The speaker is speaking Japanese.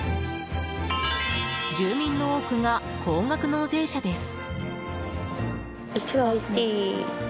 住民の多くが高額納税者です。